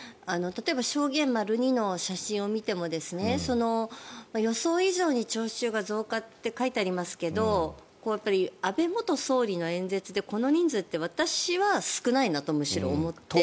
例えば証言２の写真を見ても予想以上に聴衆が増加って書いてありますけどやっぱり安倍元総理の演説でこの人数って私は少ないなと、むしろ思って。